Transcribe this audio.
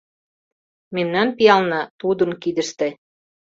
— Мемнан пиална — тудын кидыште.